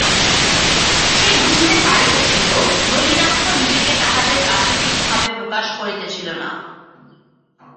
সে বুঝিতে পারিতেছিল, নলিনাক্ষ নিজেকে তাহাদের কাছে ঠিকভাবে প্রকাশ করিতেছিল না।